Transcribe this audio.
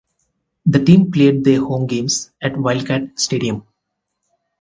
The team played their home games at Wildcat Stadium.